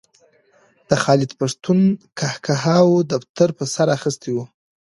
د خالد پښتون قهقهاوو دفتر په سر اخیستی و.